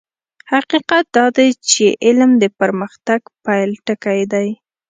حقيقت دا دی چې علم د پرمختګ پيل ټکی دی.